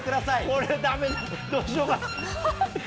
これだめだ、どうしようか。